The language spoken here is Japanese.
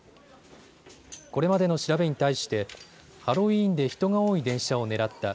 これまでの調べに対してハロウイーンで人が多い電車を狙った。